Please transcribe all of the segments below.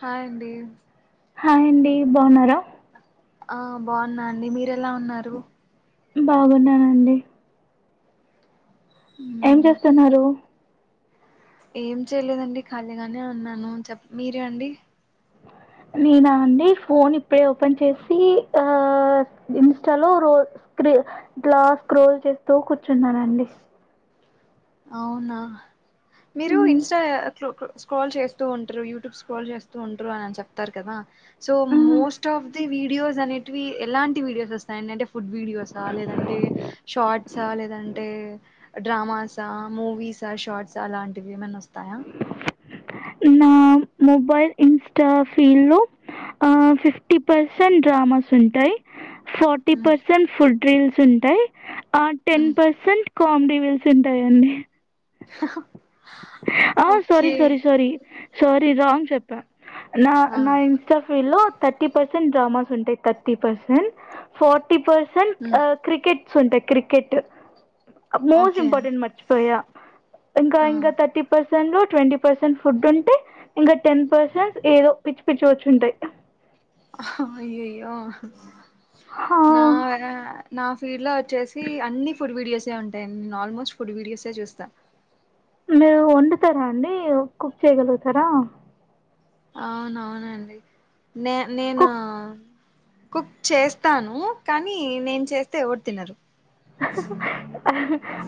Hi అండి hi అండి బాగున్నారా ఆ బాగున్నా అండి మీరేలా ఉన్నారు బాగున్నానండి ఏం మ్మ్. చేస్తున్నారు ఏం చేయలేదండి ఖాళీగానే ఉన్నాను చెప్ప మీరే అండి నేనా అండి ఫోన్ ఇప్పుడే ఓపెన్ చేసి ఆ ఇన్స్టాలో రోల్ స్క్రీ గ్లాస్ రోల్ చేస్తూ కూర్చున్నానండి అవునా మీరు హ్మ్ ఇన్స్టా క్లో స్క్రోల్ చేస్తూ ఉంటారు యూట్యూబ్ స్క్రోల్ చేస్తూ ఉంటారు అని అని చెప్తారు కదా so hmm most of the videos అనేటివి ఎలాంటి వీడియోస్ వస్తాయింటంటే ఫుడ్ వీడియోసా లేదంటే షార్ట్సా లేదంటే డ్రామాస్ స మూవీస షార్ట్సా అలాంటివి ఏమనా వస్తాయా నా మొబైల్ ఇన్స్టా ఫీల్ లో ఆ ఫిఫ్టీ పర్సెంట్ డ్రామాస్ ఉంటయి forty hmm. Percent food thrills ఉంటాయి ఆ ten hmm. Percent comedy reels ఉంటాయండి హహ ఆ sorry sorry sorry sorry wrong చెప్పా నా ఆ. నా ఇన్స్టా ఫీడ్ లో థర్టీ పర్సెంట్ డ్రామాస్ ఉంటాయి thirty percent forty percent hmm. ఆ క్రికెట్ ఉంటాయ్ క్రికెట్ మోస్ట్ ఓకే ఇంపార్టెంట్ మర్చిపోయా ఇంకా ఆ ఇంకా తర్టీ సెంట్లో ట్వంటీ పర్సెంట్ ఫుడ్ ఉంటే ఇంకా టెన్ పర్సెంట్ ఏదో పిచ్చి పిచ్చి వచ్చుంటాయి అహ అయ్యోయ్యో ఆ, నా ర నా ఫీడ్ లో వచ్చేసి అన్ని ఫుడ్ వీడియోస్ే ఉంటాయి నేను ఆల్మోస్ట్ ఫుడ్ వీడియోస్ే చూస్తా మీరు వండుతారా అండి కుక్ చేయగలుగుతారా అవునవునండి నే నేను కుక్ కుక్ చేస్తాను కానీ నేను చేస్తే ఎవరు తినరు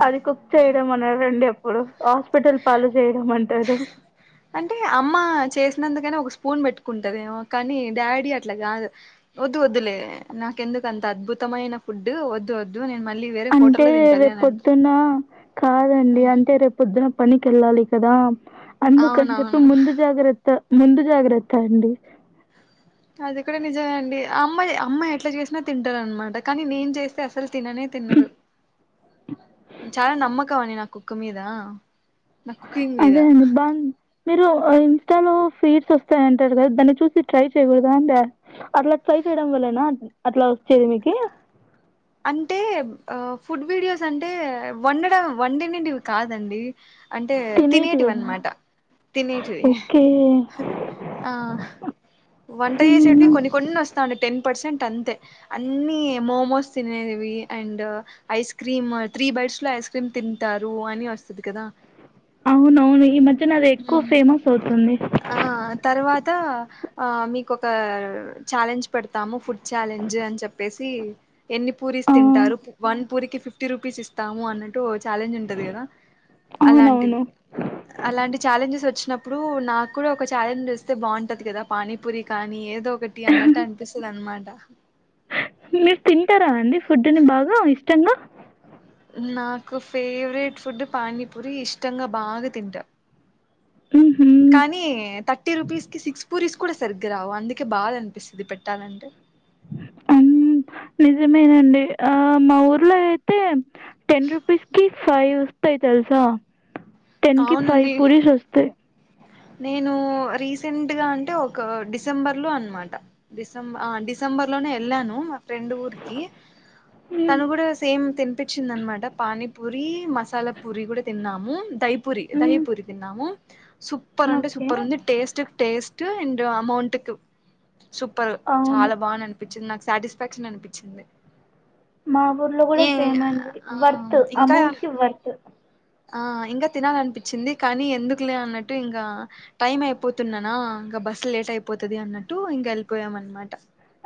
అది కుక్ చేయడం అనరండి అప్ ప్పుడు హాస్పిటల్ పాలు చేయడం అంటారు అంటే అమ్మా చేసినందుకైనా ఒక స్పూన్ పెట్టుకుంటదేమో కానీ డాడీ అట్లా కాదు వద్దు వద్దులే నాకెందుకు అంత అద్భుతమైన ఫుడ్ వద్ వద్దు నేను మళ్ళీ వేరే అంటే హోటల్లో తింటాలి అని అంటారు రేపుొద్దున కాదండి అంటే రేపుొద్దున పని కెల్ళాలికదా అందుకని చేప్పి అవునవును ముందు జాగ్రత్త ముందు జాగ్రత్త అండి అది కూడా నిజమే అండి ఆ అమ్మా అమ్మా ఎట్లా చేసినా తింటారు అనమాట కానీ నేను చేస్తే అసలు తిననే తిన్నరు చాలా నమ్మకం అని నాకు ముక్కుమీద నా కుకింగ్ మీద అదే అండి బా మీరు ఇన్స్టాలో ఫీడ్స్ వస్తాయంటారు కదా దాన్ని చూసి ట్రై చేయకూడదా అంటే అట్లా ట్రై చేయడం వల్లన అట్లా వచ్చేది మీకు అంటే ఫుడ్ వీడియోస్ అంటే వండడం వండినిదివి కాదండి అంటే తినేటివి అనమాట తినేటివి ఓకే ఆ వంట చేసేటివి హ్మ్. కొన్ని కొన్ని వస్తాండి టెన్ పర్సెంట్ అంతే అన్ని మోమోస్ తినేవి and ice cream three bites లో ఐస్ క్రీమ్ తింటారు అని వస్తది కదా అవును అవును ఈ మ కూ అది ఎక్కువ ఫేమస్ అవుతుంది అంతా మీకొక ఛాలెంజ్ పెడతాము ఫుడ్ ఛాలెంజ్ అని చెప్పేసి ఎన్ని పూరీస్ ఆ! తింటారు వన్ పూరికి ఫిఫ్టీ రూపీస్ ఇస్తాము అన్నట్టు ఛాలెంజ్ ఉంటాది కదా అలాంటివి అవునవును అలాంటి వచ్చినప్పుడు నాకు కూడా ఒక ఛాలెంజ్ చూస్తే బాగుంటాది కదా పానీపూరి కానీ ఏదో ఒకటి అన్నట్టు అనిపిస్తుంది అన్న మాట మీరు తింటారా అండి ఫుడ్ని బాగా ఇష్టంగా నాకు ఫేవరెట్ ఫుడ్ పానీపూరి ఇష్టంగా బాగా తింటా ఇ కానీ థర్టీ రూపీస్ కి సిక్స్ పూరీస్ కూడా సరిగ్గా రావు అందుకే బాధ అనిపిస్తుంది పెట్టాలంటే హ్మ్. నిజమేనండి ఆ మా ఊర్లో అయితే టెన్ రూపీస్ కి ఫైవ్ వస్తాయి తెలుసా టెన్కి ఫైవ్ అవునండి పూరిస్ వస్తాయి నేను రీసెంట్గా అంటే ఒక డిసెంబర్ లో అన్న మాట డిసెం డిసెంబర్ లోనే వెళ్ళాను ఫ్రెండు ఊరికి హ్మ్. తను కూడా సేమ్ తిన్ ఇప్పించిందనమాట పానీపూరి మసాలా పూరి కూడా తిన్నాము ధై పురి దహి హ్మ్. పూరి తి న్నాము సూపర్ అంటే ఓకే. సూపర్ ఉంది టేస్ట్ టేస్ట్ అండ్ అమౌంట్కి సూపర్ అవును. చాలా బాగా అనిపించింది నాకు సాటిస్ఫాక్షన్ అనిపించింది మా ఊర్లో కూడా ఏ సేమ్ అండి ఆ వర్త్ ఇంకా అమౌంట్ కి వర్త్ ఆ ఇంకా తినాలనిపించింది కానీ ఎందుకులే అన్నట్టు ఇంకా టైమ్ అయిపోతున్నానా ఇంకా బస్సు లేట్ అయిపోతుది అన్నట్టు ఇంక వెళ్ళిపోయాం అన్న మాట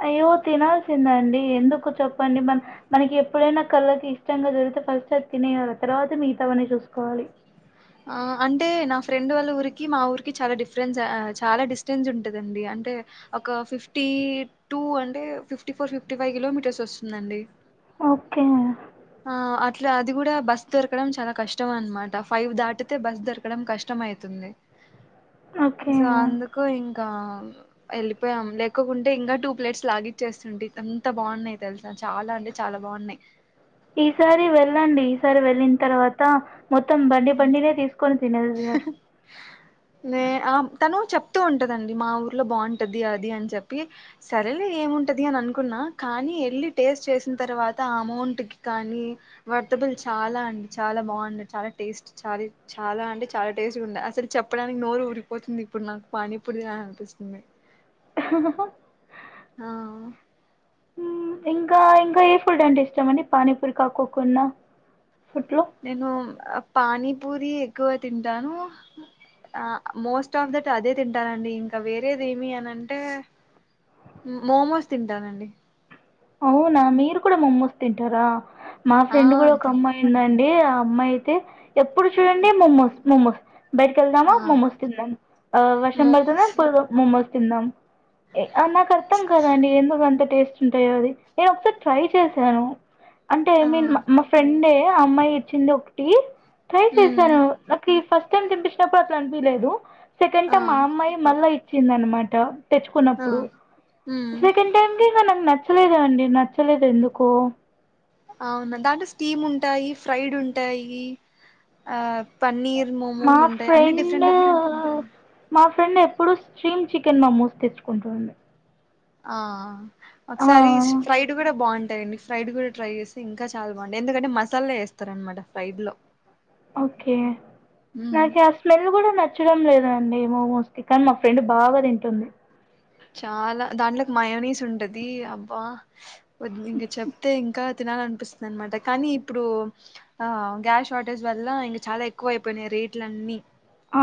అయ్యో తినాల్సింది అండి ఎందుకు చెప్పండి మన మనకి ఎప్పుడైనా కళ్ళకి ఇష్టంగా దొరికితే ఫస్ట్ అది తినేయాలి తర్వాత మిగతావనన్ని చూసుకోవాలి ఆ అంటే నా ఫ్రెండ్ వాళ్ళ ఊరికి మా ఊరికి చాలా డిఫరెన్స్ చాలా డిస్టెన్స్ ఉంటదండి అంటే ఒక ఫిఫ్టీ టూ అంటే fifty four fifty five kilometres వస్తుందండి ఓకే ఆ అట్లా అది గుడా బస్ దొరకడం చాలా కష్టం అన్న మాట ఫైవ్ దాటితే బస్ దొరకడం కష్టం అవుతుంది ఓకే. సో అందుకు ఇంకా ఎళ్ళిపోయాం లేకకుంటే ఇంకా టూ ప్లేట్స్ లాగిచ్చేస్తుంటి ఎంత బాగున్నాయ్ తెలుసా చాలా అంటే చాలా బావున్నాయ్ ఈసారి వెళ్ళండి ఈసారి వెళ్ళిన తర్వాత మొత్తం బండి బండినే తీసుకొని తినండిగా నే ఆ తను చెప్తూ ఉంటుందండి మా ఊర్లో బావుంటది అది అని చెప్పి సరలే ఏముంటది అని అనుకున్నా కానీ ఎళ్ళి టేస్ట్ చేసిన తర్వాత అమౌంట్కి కానీ వర్తబుల్ చాలా అండి చాలా బాగుంటుంది చాలా టేస్ట్ చాల చాలా అంటే చాలా టేస్ట్గా ఉండ అసలు చెప్పడానికి నోరు ఉరిపోతుంది ఇప్పుడు నాకు పానీ పూరీ తినాలనిపిస్తుంది హా హా హా ఆ ఇంకా ఇంకా ఏ ఫుడ్ అంటే ఇష్టం అండి పనీపూరి కాకోకుండా ఫుడ్లో నేను అ పాని పూరి ఎక్కువ తింటాను ఆ మోస్ట్ ఆఫ్ దట్ అదే తింటానండి ఇంకా వేరేది ఏమి అనంటే మోమోస్ తింటానండి అవునా మీరు కూడా మమ్మూస్ తింటారా మా ఆ ఫ్రెండ్ కూడా ఒక అంతే అమ్మాయి ఉందండీ ఆ అమ్మాయి అయితే ఎప్పుడు చూడండి మోమోస్ మోమోస్ బయటకి వెళ్దామా ఆ మోమోస్ తిందాం ఆ వర్షం పడుతుంది మోమోస్ మోమోస్ చిన్నాం అ నాక్ అర్థం కాదండి ఎందు టేస్టీ ఏది నేను ఎప్పుడు ట్రై చేసను అంటే ఐ ఆ మీన్ మా ఫ్రెండే అమ్మాయి ఇచ్చింది ఒకటి ట్రై మ్మ్ చేశాను నాకు ఈ ఫస్ట్ కాని తిపించినప్పుడు అట్లా అనిపిలేదు సెకండ్ ఆ టైమ్ మా అమ్మాయి మళ్ళ వచ్చిందనమాట ఆ తెచ్చుకున్నప్పుడు మ్మ్ సెకండ్ టైమ్ కే ఇంక న లేదు అండి నచ్చలేదు ఎందుకో అవునా దాంట్లో స్టీమ్ ఉంటాయి ఫ్రైడ్ ఉంటాయి ఆ పన్నీర్ మా మోమోస్ ఉంటాయి అన్ని ఫ్రెండ్ డిఫరెంట్ డిఫరెంట్ మా ఫ్రెండ్ ఎప్పుడు చీమ్ చికెన్ మమోస్ తెచ్చుకుంటాడు ఆ ఒకసారి స్ప్రైడ్ గుడ బాగుంట ఫ్రైడ్ కూడా ట్రై చేసి ఇంకా చాలా బావుంట ఎందుకంటే మసాలా వేస్తారు అనమాట ఫ్రైడ్ లో ఓకే ఉమ్ నాకి ఆ స్మెల్ గుడ నచ్చడం లేదు ండి ఏమో మో స్టికా అన్ మా ఫ్రెండ్ బాగా తింటుంది చాలా దాంట్లోకి మయనీస్ ఉంటది అబ్బా ద్ ఇంక చెప్తే ఇం ఇంకా తినాల అనిపిస్తుంది అనమాట కానీ ఇప్పుడు ఆ గ్యాస్ షార్టేజ్ వల్ల ఇంకా చాలా ఎక్కువ అయిపోయినాయి రేట్ల అన్నిీ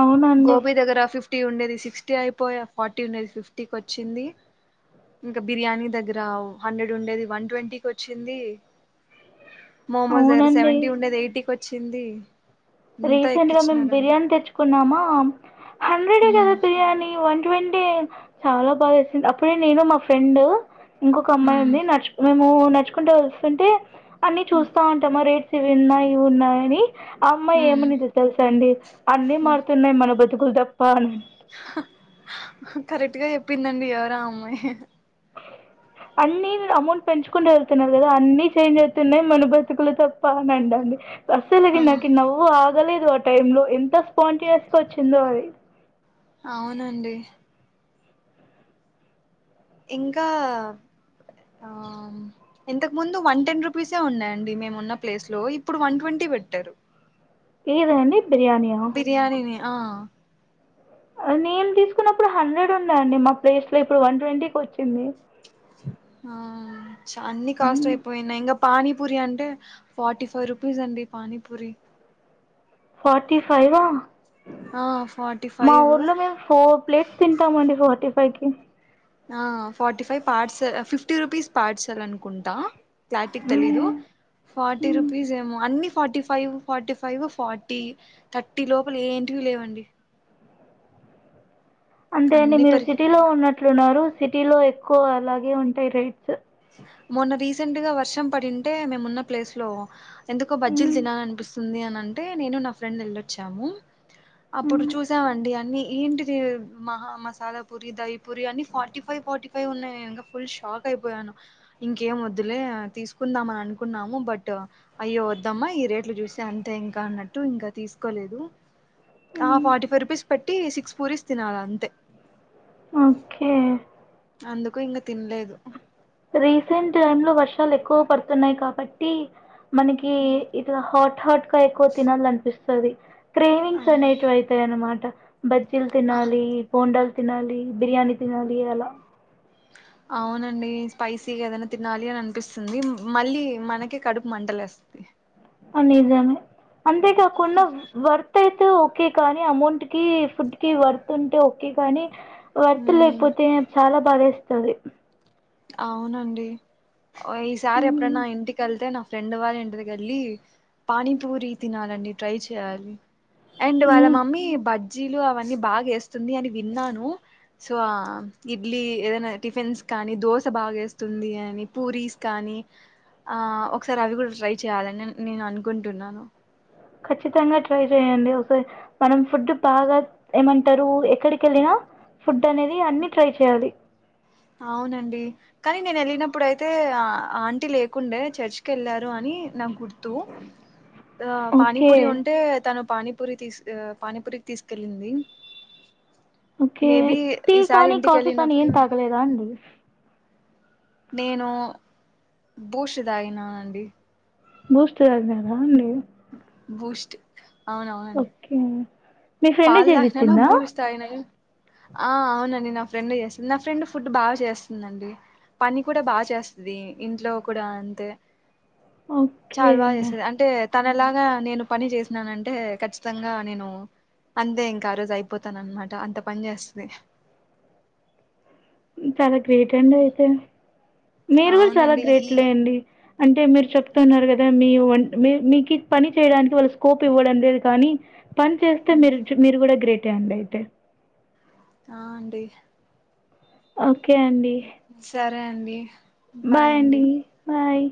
అవునండి గోబి దగ్గర ఫిఫ్ ఫటీ ఉండే సిక్స్టీ అయిపోయా ఫార్టీ ఉండేది ఫిఫ్ టీ వచ్చింది ఇంకా బిర్యానీ దగ్గర హండ్రెడ్ ఉండేది వన్ ట్వంటీకి వచ్చింది మోమోస్ దగ్గర అవునండి సెవెంటీ ఉండేది ఎయిటీకి వచ్ వచ్చింది అంతా రీసెంట్ గా మేము ఎక్కించినారండి బిర్యానీ తెచ్చుకున్నామా హండ్రెడ్ ఏ కదా బిర్యానీ వన్ వన్ ట్వంటీ చాలా బాగా చేసింది అప్పుడే నేను మా ఫ్రెండ్ ఇంకొక ఉమ్ అమ్మాయి ఉంది నచ్చు మేము నడుచ్చుకుంటే వస్తుంటే అన్ని చూస్తా ఉంటామా రేట్ సి ఇవి ఉన్నాయి ఇవి ఉన్నాయని అమ్మాయి ఏమని తె తెలుస అండి అన్ని మారుతున్నాయి మన బతు కులు తప్ప అనీ కరెక్ట్గా చెప్పిందండి ఎవరా అమ్మాయి అన్ని అమౌంట్ పెంచుకుంటూ వెళ్తున్నారు కదా అన్ని చేంజ్ అవుతున్నాయి మన బ్రతుకులు తప్ప అని అండడి అసలకి ఆ నాకి నవ్వు ఆ అగలేదు ఆ టైమ్ లో ఎంత స్పొటానియస్ గా వచ్చిందో అది అవునండి ఇంకా ఆ ఇంతకు ముందు వన్ టెన్ రూపీసే ఉన్నాయండి మేము ఉన్న ప్లేస్ లో ఇప్పుడు వన్ ట్వంటీ పెట్టారు ఇదా అండి బిర్యానీ యా బిర్యానీని ఆ నేన్ తీసుకున్నప్పుడు హండ్రెడ్ ఉన్నాయండి మా ప్లేస్ లో ఇప్పుడు వన్ ట్వంటీకి వచ్చింది ఆ అన్ని కాస్ట్ అయిపోయి ఇంగ పానీపూరి అంటే ఫార్టీ ఫైవ్ రూపీస్ అండి పానీపూరి ఫార్టీ ఫైవ్! ఆ ఆ ఫార్టీ మా ఊర్లో ఫైవ్ మేము ఫోర్ ప్లేట్స్ తింటామండి ఫార్టీ పైకి ఆ forty five parts fifty rupees పార్ట్సాల్ అనుకుంటా క్లారిటీ గా తెలీదు ఫార్టీ రూపీస్ ఏమో అన్ని forty five forty five forty thirty లోపల ఏంటివి లేవండి అంతే అండి అన్ని మీరు సిటీలో పెరిగిపోయి ఉన్నట్లు ఉన్నారు సిటీ లో ఎక్కువ అలాగే ఉంటాయి రేట్స్ మొన్న రీసెంట్ గా వర్షం పడింటే మేమున్న ప్లేస్ లో ఎందుకో బజ్జీలు తినాలనిపిస్ స్తుంది అని అంటే నేను నా ఫ్రెండ్ ఏళ్లొచ్చాము అప్పుడు చూసామండి అన్ని ఏంటిది మహా మసాలా పూరి దయి పూరి అన్ని ఫార్టీ ఫైవ్ ఫార్టీ ఫైవ్ ఉన్నాయి ఇంగ ఫుల్ షాక్ అయిపోయాను ఇంకేం వద్దులే తీసుకుందాం అని అనుకున్నాము బట్ అయ్యో వద్దమ్మా ఈ రేట్లు చూస్తే అంతే ఇంకా అన్నట్టు ఇంకా తీసుకోలేదు ఆ ఫార్టీ ఫైవ్ రూపీస్ పెట్టి సిక్స్ పూరీస్ తినాలి అంతే ఓకే అందుకు ఇంక తినలేదు రీసెంట్ టైమ్ లో వర్షాలు ఎక్కువ పడుతున్నాయి కాబట్టి మనకి ఇదిలా హాట్ హాట్ గా ఎక్కువ తినాల అనిపిస్తుంది సారీ క్రేవింగ్స్ అనేటివి అవుతాయి అన్నమాట బజ్జీల్ తినాలి బోండాల్ తినాలి బిర్యానీ తినాలి అలా అవునండి స్పైసీగా ఏదైనా తినాలి అని అనిపిస్తుంది మళ్ళీ మనకే కడుపు మంట లేస్తుంది అని దాని అందేకా కొనావ్ వార్తే తు ఓకే కానీ అమౌంట్ కి ఫుడ్ కి వర్త్ ఉంటే ఓకే కానీ వర్త ఉమ్ లేకపోతే చాలా బాదేస్ తది అవునండి ఈసారి హ్మ్. ఎప్పుడనా ఇంటికి వెళ్తే నా ఫ్రెండ్ వాళ్ళ ఇంటికి వెళ్ళి పానీపూరి తినాలండి ట్రై చేయాలి అండ్ వళ హ్మ్. మమ్మీ బడ్ సబ్జీలు అవన్నీ బాగా వేస్తుంది అని విన్నాను సో ఆ ఇడ్లీ ఏదైనా టిఫిన్స్ కానీ దోస్ ఇంత బాగేస్తుంది అని పూరీస్ కానీ ఆ ఒకసారి అవి కూడా ట్రై చేయాలని నేను అనుకుంటున్నాను ఖచ్చితంగా ట్రై చేయండి ఒకసారి మనం ఫుడ్ బాగా ఏమంటారు ఎక్కడికి వెళ్ళిన ఫుడ్ అనేది అన్ని ట్రై చేయాలి అవునండి కానీ నేను ఏళ్ళినప్పుడు అయితే ఆంటీ లేకుండే చర్చికి వెళ్ళారు అని నాకు గుర్ తు ఆ పాని ఓకే పూరి ఉంటే తను పాని పూరి తీస్ పానీపూరికి తీసుకెళ్ళింది ఓకే మేబి టీ ఈసారి కానీ ఇంటికి కాఫీ కానీ ఏం వెళ్ళినప్పుడు తగలేదా అండీ నేను బూస్ తాగిననండి బూస్ట్ తగినర అండి బూష్ట్ ఓకే మీ ఫ్రెండ్ పాలు చేసి తాగిన ఇచ్చిందా బూస్ట్ తగిన న ఆ అవునండి నా ఫ్రెండ్ చేస్తుంది నా ఫ్రెండ్ ఫుడ్ బాగా చేస్తుందిండి పని కూడా బాగా చేస్తుంది ఇంట్లో కూడా అంతే ఓకే చాలా బాగా చేసేది అంటే తన అలాగా నేను పని చేసినానంటే ఖచ్చితంగా నేను అంతే ఇంకా ఆ రోజు అయిపోతాన అనమాట అంత పని చేస్తది సరే ఏంటండీ అయితే మీరు కూడా చాలా అవునండి గ్రేట్ ఈ లే అండి అంటే మీరు చెప్తున్నారు కదా మీ మీ మీకి పని చేయడానికి వాళ్ళు స్కోప్ ఇవ్వడం లేదు కానీ పని చేస్తే మీరు మీరు కూడా గ్రేట్ ఓకే అండి అయితే ఆ అండి ఓకె ఓకే అండి సరే అండి బాయ్ అండి బాయ్